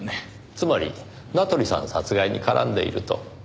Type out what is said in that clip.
つまり名取さん殺害に絡んでいると？